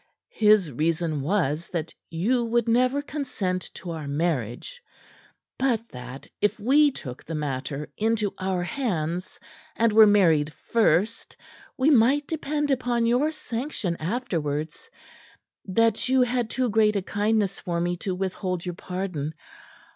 His reason was that you would never consent to our marriage; but that if we took the matter into our hands, and were married first, we might depend upon your sanction afterwards; that you had too great a kindness for me to withhold your pardon.